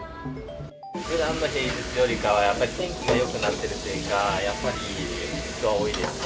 ふだんの平日よりかは、やっぱり天気がよくなっているせいか、やっぱり人は多いです。